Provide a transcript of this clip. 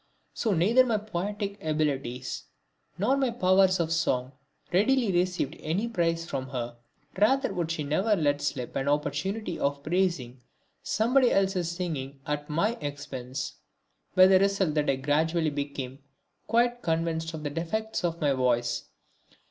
So neither my poetic abilities nor my powers of song readily received any praise from her; rather would she never let slip an opportunity of praising somebody else's singing at my expense; with the result that I gradually became quite convinced of the defects of my voice.